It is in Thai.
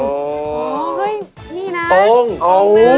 อ๋อเฮ่ยนี่นะตรงอ๋อโอ้โฮ